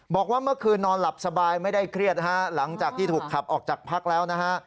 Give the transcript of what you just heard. บอกว่าเมื่อคืนนอนหลับสบายไม่ได้เครียดฮะหลังจากที่ถูกขับออกจากพักแล้วนะฮะ